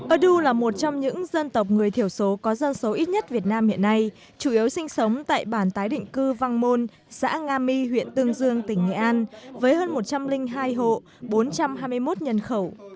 ơ đu là một trong những dân tộc người thiểu số có dân số ít nhất việt nam hiện nay chủ yếu sinh sống tại bản tái định cư văn môn xã nga my huyện tương dương tỉnh nghệ an với hơn một trăm linh hai hộ bốn trăm hai mươi một nhân khẩu